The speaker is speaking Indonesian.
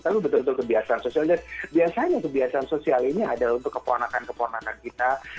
tapi betul betul kebiasaan sosial dan biasanya kebiasaan sosial ini adalah untuk keponakan keponakan kita